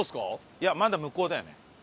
いやまだ向こうだよね。